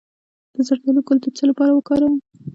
د زردالو ګل د څه لپاره وکاروم؟